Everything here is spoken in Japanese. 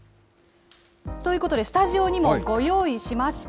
ということで、スタジオにもご用意しました。